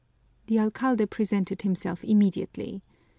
The alcalde presented himself immediately.